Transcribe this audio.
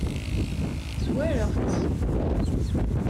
Zwareɣ-tt.